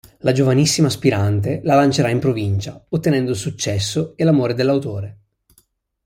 La giovanissima aspirante la lancerà in provincia, ottenendo il successo e l'amore dell'autore.